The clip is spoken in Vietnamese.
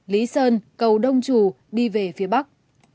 lý sơn cầu đông trù đi về phía bắc